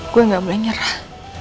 saya tidak boleh menyerah